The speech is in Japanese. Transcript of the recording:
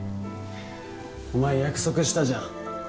お前約束したじゃん